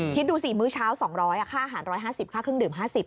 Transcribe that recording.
คิดดูสิมื้อเช้า๒๐๐ค่าอาหาร๑๕๐ค่าเครื่องดื่ม๕๐